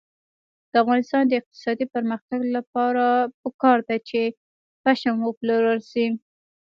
د افغانستان د اقتصادي پرمختګ لپاره پکار ده چې پشم وپلورل شي.